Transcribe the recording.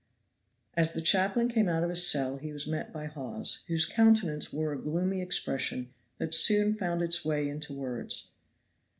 As the chaplain came out of his cell he was met by Hawes, whose countenance wore a gloomy expression that soon found its way into words.